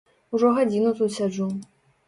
Ужо гадзіну тут сяджу.